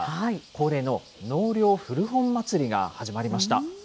恒例の納涼古本まつりが始まりました。